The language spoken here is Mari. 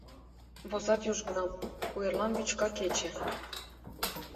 Возат южгунам: куэрлам вӱчка кече